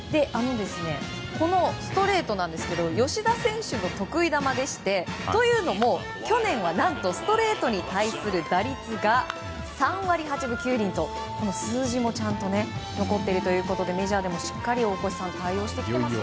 ストレートなんですが吉田選手の得意球でしてというのも、去年は何とストレートに対する打率が３割８分９厘と数字もちゃんと残っているということでメジャーでもしっかり対応してきてますね。